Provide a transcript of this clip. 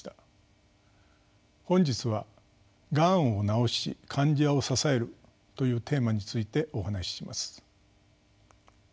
本日は「がんを治し患者を支える」というテーマについてお話しします。